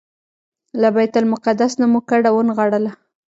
له بیت المقدس نه مو کډه ونغاړله.